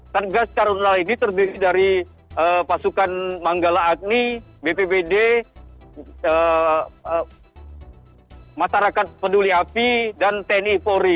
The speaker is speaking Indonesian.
satgas karhutlah ini terdiri dari pasukan manggala agni bpbd masyarakat penduli api dan tni polri